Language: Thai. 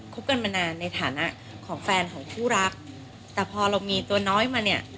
กันมานานในฐานะของแฟนของคู่รักแต่พอเรามีตัวน้อยมาเนี่ย